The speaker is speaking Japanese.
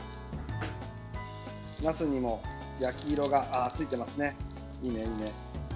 なすにも焼き色がついていますね。